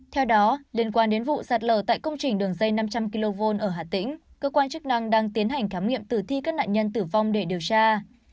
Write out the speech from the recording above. theo đó liên quan đến vụ sạt lở tại công trình đường dây năm trăm linh kv ở hà tĩnh cơ quan chức năng đang tiến hành khám nghiệm tử thi các nạn nhân tử vong để điều tra